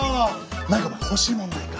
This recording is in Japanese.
何かお前欲しいもんないか？